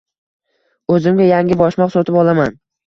O`zimga yangi boshmoq sotib olaman